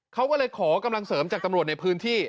เขาก็เลยขอกำลังเสริมจากตำรวจในพื้นที่